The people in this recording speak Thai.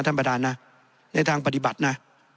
ท่านประธานนะในทางปฏิบัตินะ